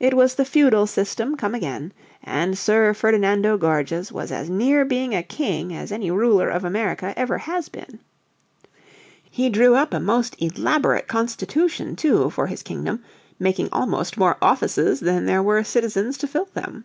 It was the feudal system come again, and Sir Ferdinando Gorges was as near being a king as any ruler of America ever has been. He drew up a most elaborate constitution, too, for his kingdom, making almost more offices than there were citizens to fill them.